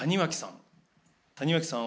谷脇さん。